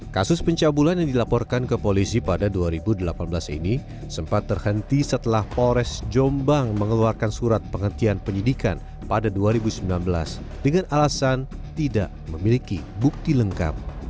kasus pencabulan yang dilaporkan ke polisi pada dua ribu delapan belas ini sempat terhenti setelah polres jombang mengeluarkan surat penghentian penyidikan pada dua ribu sembilan belas dengan alasan tidak memiliki bukti lengkap